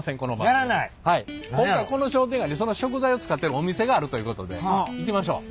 今回この商店街にその食材を使ってるお店があるということで行きましょう。